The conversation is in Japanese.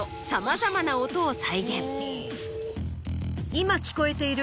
今聴こえている